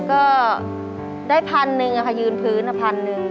ก็ได้พันธุ์หนึ่งอะค่ะยืนพื้นพันธุ์หนึ่ง